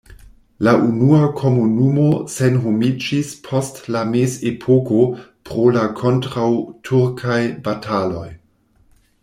La unua komunumo senhomiĝis post la mezepoko pro la kontraŭturkaj bataloj.